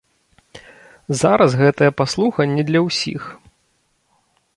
Зараз гэтая паслуга не для ўсіх.